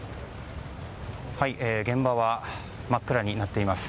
現場は真っ暗になっています。